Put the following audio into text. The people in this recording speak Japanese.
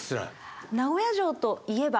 名古屋城といえば？